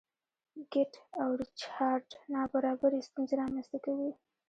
کیټ او ریچارډ نابرابري ستونزې رامنځته کوي.